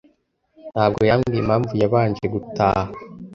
Ntabwo yambwiye impamvu yabanje gutaha.